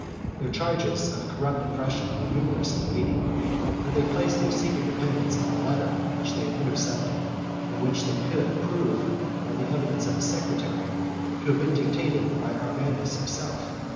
Their charges of corrupt oppression were numerous and weighty; but they placed their secret dependence on a letter which they had intercepted, and which they could prove, by the evidence of his secretary, to have been dictated by Arvandus himself.